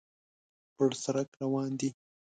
پر سړک روان دی.